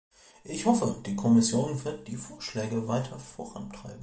Ich hoffe, die Kommission wird die Vorschläge weiter vorantreiben.